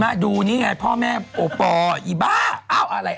มาดูนี่ไงพ่อแม่ปอเยอะปอเหี้ย